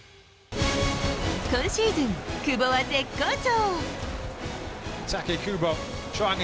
今シーズン、久保は絶好調。